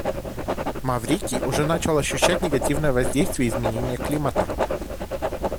Маврикий уже начал ощущать негативное воздействие изменения климата.